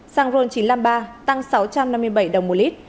xăng ron chín trăm năm mươi ba tăng sáu trăm năm mươi bảy đồng một lít